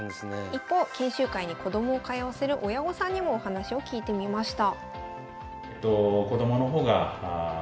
一方研修会にこどもを通わせる親御さんにもお話を聞いてみました。